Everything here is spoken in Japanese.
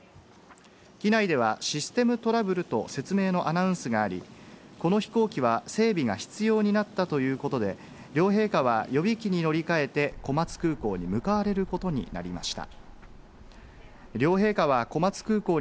機内では、システムトラブルと説明のアナウンスがあり、この飛行機は整備が必要になったということで、両陛下は予備機に乗り換えて小松空港に向かわれることになりました。